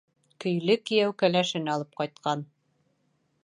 Көйлө кейәү кәләшен алып ҡайтҡан.